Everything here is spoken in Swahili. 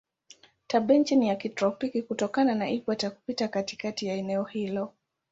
Tabianchi ni ya kitropiki kutokana na ikweta kupita katikati ya eneo hilo.